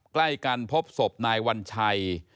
ใกล้กันพบศพนายวัญชัย